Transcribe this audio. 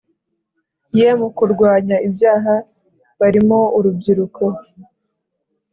ye mu kurwanya ibyaha barimo urubyiruko